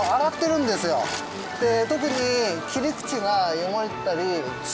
特に。